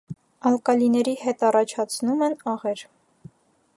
Ալկալիների հետառաջացնոմ են աղեր։